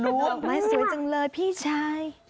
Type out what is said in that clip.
ออกมาสวยจังเลยพี่ชาย